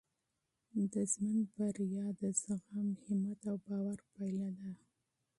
د ژوند بریا د صبر، حوصله او باور پایله ده.